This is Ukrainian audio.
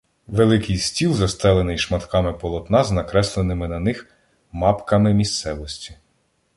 Великий стіл застелений шматками полотна з накресленими на них мапками місцевості.